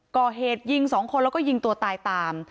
ก่อเหตุยิงสองคนแล้วก็ยิงตัวตายตาม